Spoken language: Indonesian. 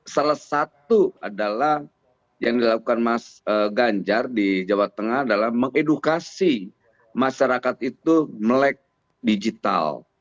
salah satu adalah yang dilakukan mas ganjar di jawa tengah adalah mengedukasi masyarakat itu melek digital